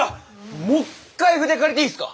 もう一回筆借りていいっすか？